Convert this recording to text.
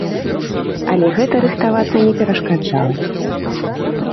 Але гэта рыхтавацца не перашкаджала.